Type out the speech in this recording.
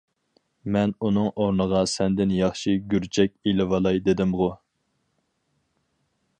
مەن ئۇنىڭ ئورنىغا سەندىن ياخشى گۈرجەك ئېلىۋالاي دېمىدىمغۇ!